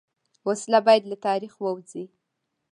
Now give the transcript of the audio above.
وسله باید له تاریخ ووځي